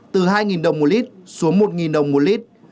từ hai đồng một lít xuống một đồng một lít